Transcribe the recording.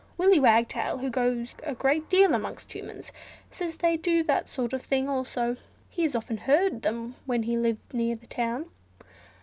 Willy Wagtail, who goes a great deal amongst Humans, says they do that sort of thing also; he has often heard them when he lived near the town."